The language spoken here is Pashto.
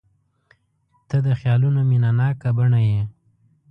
• ته د خیالونو مینهناکه بڼه یې.